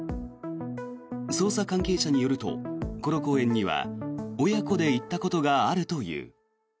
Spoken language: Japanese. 捜査関係者によるとこの公園には親子で行ったことがあるという。